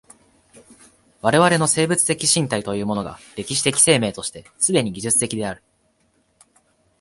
我々の生物的身体というものが歴史的生命として既に技術的である。